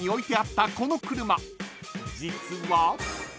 ［実は］